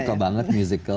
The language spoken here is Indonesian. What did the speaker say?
suka banget musikal